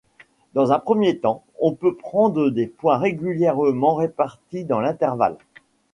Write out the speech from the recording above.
Dans un premier temps, on peut prendre des points régulièrement répartis dans l'intervalle.